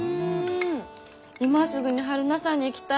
今すぐに榛名山に行きたい。